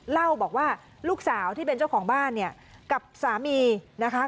เล่าบอกว่าลูกสาวที่เป็นเจ้าของบ้านเนี่ยกับสามีนะคะ